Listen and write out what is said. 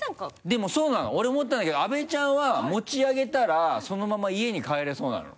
でもそうなの俺も思ったんだけど阿部ちゃんは持ち上げたらそのまま家に帰れそうなの。